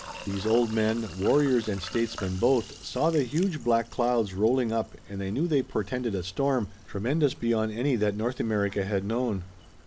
These old men, warriors and statesmen both, saw the huge black clouds rolling up and they knew they portended a storm, tremendous beyond any that North America had known.